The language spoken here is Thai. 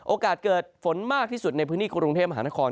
โอกาสเกิดฝนมากที่สุดในพื้นที่กรุงเทพมหานคร